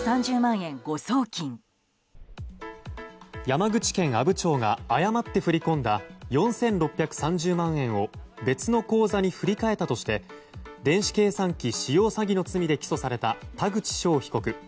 山口県阿武町が誤って振り込んだ４６３０万円を別の口座に振り替えたとして電子計算機使用詐欺の罪で起訴された、田口翔被告。